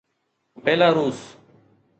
Belarus